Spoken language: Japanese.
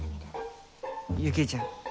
雪衣ちゃん。